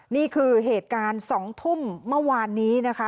นี่คือเหตุการณ์๒ทุ่มเมื่อวานนี้นะคะ